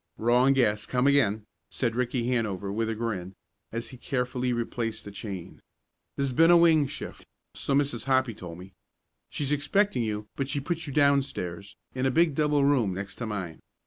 "Wrong guess come again," said Ricky Hanover with a grin, as he carefully replaced the chain. "There's been a wing shift, so Mrs. Hoppy told me. She's expecting you, but she's put you downstairs, in a big double room next to mine.